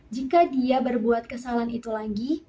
jika dia berbuat kesalahan itu lagi